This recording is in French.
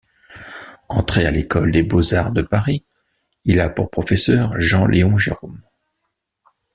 Entré à l'École des beaux-arts de Paris, il a pour professeur Jean-Léon Gérôme.